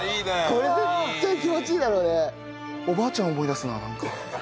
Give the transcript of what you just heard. これ絶対気持ちいいだろうね。